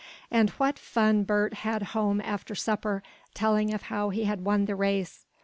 And what fun Bert had home after supper, telling of how he had won the race!